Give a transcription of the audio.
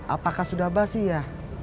apakah sudah basi ya